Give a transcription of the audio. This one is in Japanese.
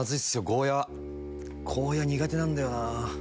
ゴーヤ苦手なんだよな。